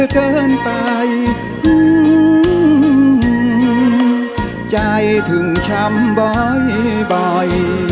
คุณแม่เชิญคุณแม่คุณแม่